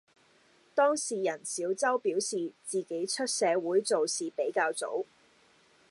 當事人小周表示，自己出社會做事比較早。